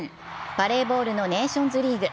バレーボールのネーションズリーグ。